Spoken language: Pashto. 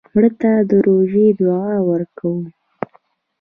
مړه ته د روژې دعا ورکوو